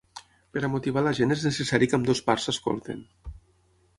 Per a motivar la gent és necessari que ambdues parts s’escoltin.